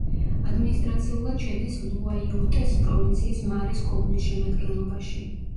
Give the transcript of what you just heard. ადმინისტრაციულად შედის ლუაიოტეს პროვინციის მარეს კომუნის შემადგენლობაში.